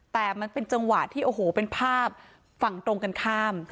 แต่มันเป็นจังหวะที่โอ้โหเป็นภาพฝั่งตรงกันข้าม